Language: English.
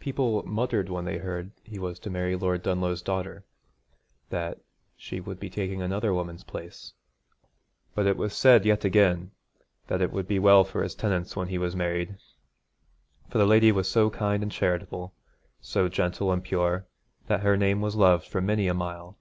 People muttered when they heard he was to marry Lord Dunlough's daughter, that she would be taking another woman's place; but it was said yet again that it would be well for his tenants when he was married, for the lady was so kind and charitable, so gentle and pure, that her name was loved for many a mile.